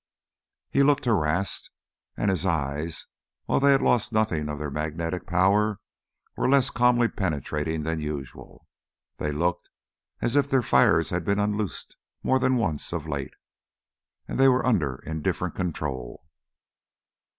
He looked harassed, and his eyes, while they had lost nothing of their magnetic power, were less calmly penetrating than usual. They looked as if their fires had been unloosed more than once of late and were under indifferent control.